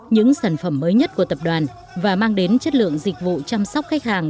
những sản phẩm mới nhất của tập đoàn và mang đến chất lượng dịch vụ chăm sóc khách hàng